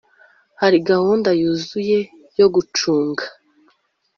hari gahunda yuzuye yo gucunga .